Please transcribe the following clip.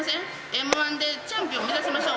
Ｍー１でチャンピオン目指しましょう。